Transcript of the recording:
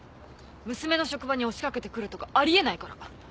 娘の職場に押し掛けてくるとかあり得ないから。